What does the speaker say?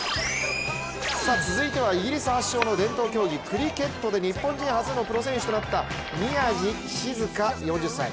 続いてはイギリス発祥の伝統競技、クリケットで日本人初のプロ選手となった宮地静香、４０歳。